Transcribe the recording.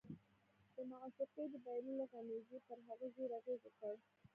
د معشوقې د بایللو غمېزې پر هغه ژور اغېز وکړ